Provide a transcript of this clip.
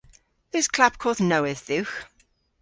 Eus klapkodh nowydh dhywgh?